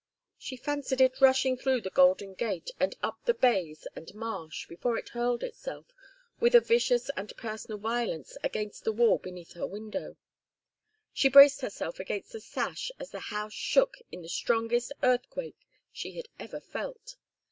She fancied it rushing through the Golden Gate and up the bays and marsh, before it hurled itself with a vicious and personal violence against the wall beneath her window. She braced herself against the sash as the house shook in the strongest earthquake she had ever felt.